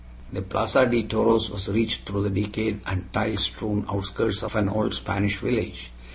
The Plaza de Toros was reached through the decayed and tile strewn outskirts of an old Spanish village.